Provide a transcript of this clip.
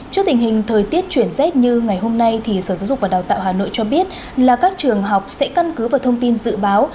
trước tình hình thời tiết chuyển rét như ngày hôm nay sở giáo dục và đào tạo hà nội cho biết là các trường học sẽ căn cứ vào thông tin dự báo